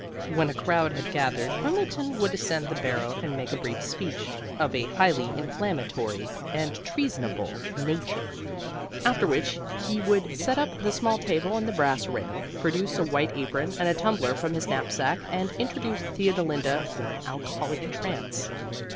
When a crowd had gathered, Quimbleton would ascend the barrow and make a brief speech (of a highly inflammatory and treasonable nature) after which he would set up the small table and the brass rail, produce a white apron and a tumbler from his knapsack, and introduce Theodolinda for an alcoholic trance.